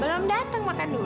belum datang makan dulu